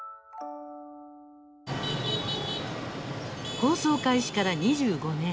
放送開始から２５年。